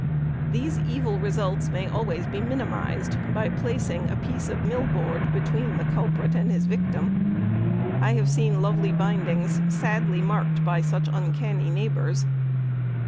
These evil results may always be minimized by placing a piece of millboard between the culprit and his victim. I have seen lovely bindings sadly marked by such uncanny neighbours.